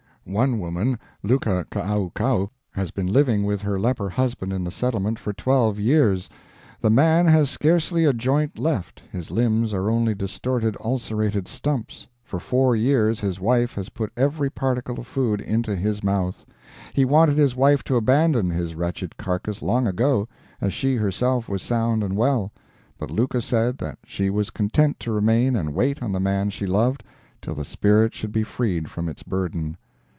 "One woman, Luka Kaaukau, has been living with her leper husband in the settlement for twelve years. The man has scarcely a joint left, his limbs are only distorted ulcerated stumps, for four years his wife has put every particle of food into his mouth. He wanted his wife to abandon his wretched carcass long ago, as she herself was sound and well, but Luka said that she was content to remain and wait on the man she loved till the spirit should be freed from its burden.